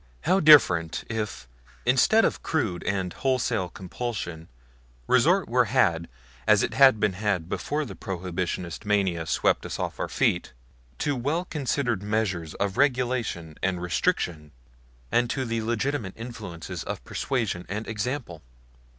How different if, instead of crude and wholesale compulsion, resort were had as it had been had before the Prohibitionist mania swept us off our feet to well considered measures of regulation and restriction, and to the legitimate influences of persuasion and example!